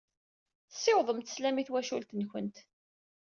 Ssiwḍemt sslam i twacult-nwent.